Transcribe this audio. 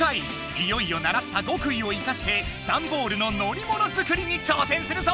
いよいよ習った極意を生かしてダンボールの乗りもの作りに挑戦するぞ！